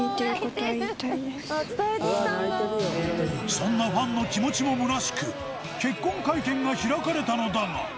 そんなファンの気持ちもむなしく結婚会見が開かれたのだが。